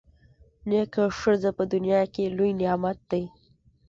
نېکه ښځه په دنیا کي لوی نعمت دی.